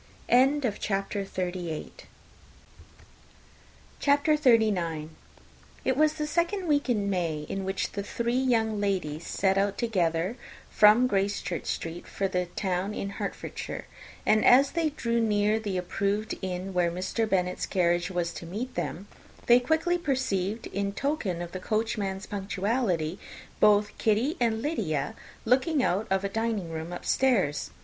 [Illustration: "How nicely we are crammed in" ] CHAPTER XXXIX. It was the second week in May, in which the three young ladies set out together from Gracechurch Street for the town of , in Hertfordshire; and, as they drew near the appointed inn where Mr. Bennet's carriage was to meet them, they quickly perceived, in token of the coachman's punctuality, both Kitty and Lydia looking out of a dining room upstairs.